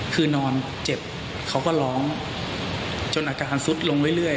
คือนอนเจ็บเขาก็ร้องจนอาการซุดลงเรื่อย